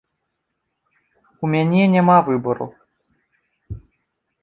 У мяне няма выбару.